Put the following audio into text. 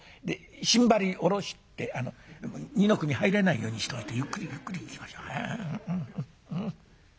心張り下ろして二の組入れないようにしておいてゆっくりゆっくりいきましょう」。